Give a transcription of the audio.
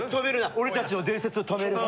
俺たちの伝説を止めるな！